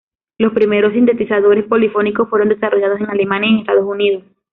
Los primeros sintetizadores polifónicos fueron desarrollados en Alemania y en Estados Unidos.